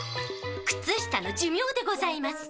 靴下の寿命でございます。